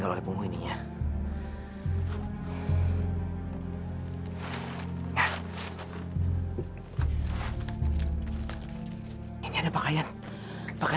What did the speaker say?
saya harus terus dari facebook sampai berjaga